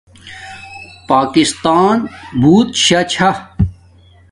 پاکستان بوت شاہ چھا